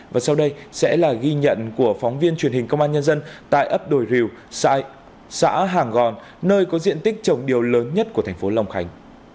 và sau đây sẽ là ghi nhận của phóng viên truyền hình công an nhân dân tại ấp đồi rìu xã hàng gòn nơi có diện tích trồng điều lớn nhất của thành phố long khánh